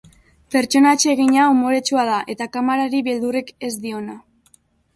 Pertsona atsegina, umoretsua da, eta kamarari beldurrik ez diona.